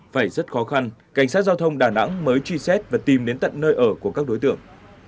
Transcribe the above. phải rất khó khăn cảnh sát giao thông đà nẵng mới truy xét và tìm đến tận nơi ở của các đối tượng